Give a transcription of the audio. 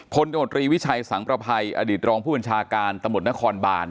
พลจมตรีวิชัยสังพราไพรอดิษฐรองผู้บรรชาการตมธนภรศกรบาล